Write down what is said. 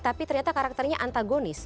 tapi ternyata karakternya antagonis